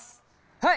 はい！